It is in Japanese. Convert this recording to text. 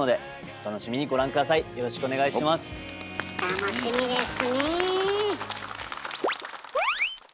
楽しみですね。